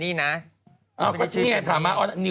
เปิดตัวกันอะไร